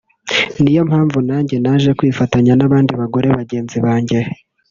niyo mpamvu nanjye naje kwifatanya n’abadni bagore bagenzi banjye